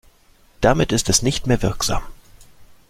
Damit ist es nicht mehr wirksam.